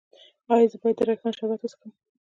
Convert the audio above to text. ایا زه باید د ریحان شربت وڅښم؟